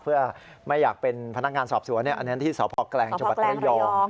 เพื่อไม่อยากเป็นพนักงานสอบสวนอันนั้นที่สพแกลงจังหวัดระยอง